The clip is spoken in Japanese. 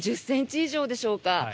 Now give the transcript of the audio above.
１０ｃｍ以上でしょうか。